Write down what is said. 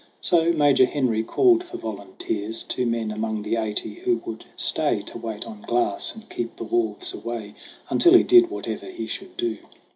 So Major Henry called for volunteers, Two men among the eighty who would stay To wait on Glass and keep the wolves away Until he did whatever he should do.